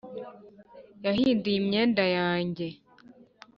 yahinduye imyenda yanjye